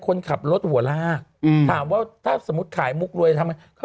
คนขับรถหัวลากอืมถามว่าถ้าสมมุติขายมุกรวยทำไม